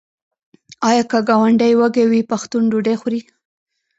آیا که ګاونډی وږی وي پښتون ډوډۍ خوري؟